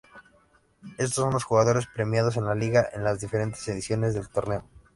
Estos son los jugadores premiados en la liga en las diferentes ediciones del torneo.